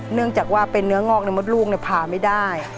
เนื่องจากว่าเป็นเนื้องอกในมดลูกผ่าไม่ได้